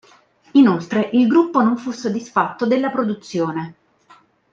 Inoltre il gruppo non fu soddisfatto della produzione.